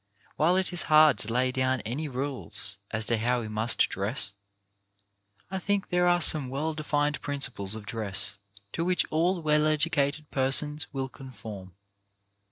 While it is hard to lay down any rules as to how we must dress, I think there are some well defined princi ples of dress to which all well educated persons will conform.